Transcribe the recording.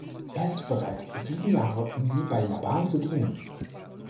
Er ist bereit, sieben Jahre um sie bei Laban zu dienen.